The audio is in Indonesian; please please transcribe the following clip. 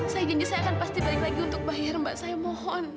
saya janji saya akan pasti balik lagi untuk bayar mbak saya mohon